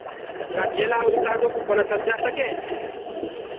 ڪآ چيلآ اُستآدو ڪو ڪونآ سمجآ سگي